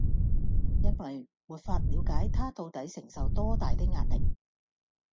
因為沒法了解他到底承受多大的壓力